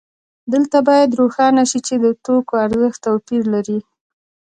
دلته باید روښانه شي چې د توکو ارزښت توپیر لري